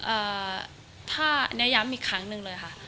เอ่อถ้าเนี่ยย้ำอีกครั้งนึงเลยค่ะ